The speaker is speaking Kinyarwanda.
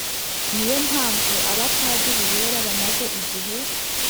Ni yo mpamvu abapadiri bera bamaze igihe